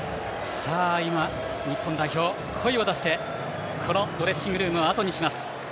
日本代表、声を出してドレッシングルームをあとにします。